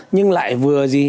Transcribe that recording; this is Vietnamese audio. nhưng lại vừa gì